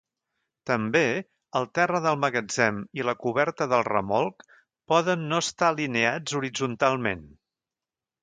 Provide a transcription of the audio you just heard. També, el terra del magatzem i la coberta del remolc poden no estar alineats horitzontalment.